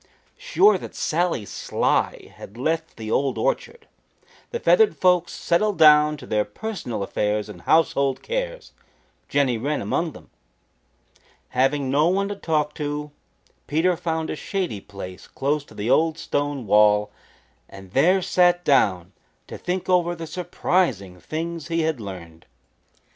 Sure that Sally Sly had left the Old Orchard, the feathered folks settled down to their personal affairs and household cares, Jenny Wren among them. Having no one to talk to, Peter found a shady place close to the old stone wall and there sat down to think over the surprising things he had learned.